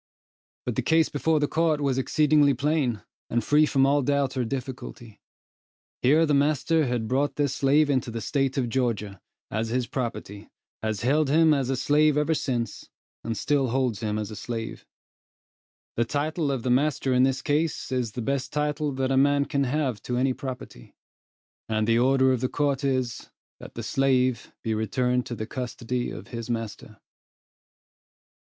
But the case before the court was exceedingly plain and free from all doubt or difficulty. Here the master has brought this slave into the State of Georgia, as his property, has held him as a slave ever since, and still holds him as a slave. The title of the master in this case is the best title that a man can have to any property; and the order of the court is, that the slave be returned to the custody of his master.